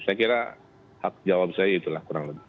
saya kira hak jawab saya itulah kurang lebih